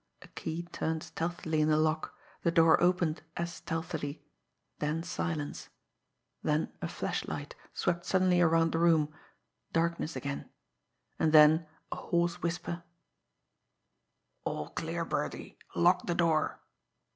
A key turned stealthily in the lock, the door opened as stealthily then silence then a flashlight swept suddenly around the room darkness again and then a hoarse whisper: "All clear, Birdie. Lock the door."